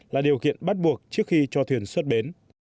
là điều kiện bắt buộc trước khi cho thuyền xuất bến